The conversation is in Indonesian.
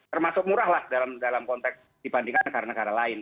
termasuk murah lah dalam konteks dibandingkan negara negara lain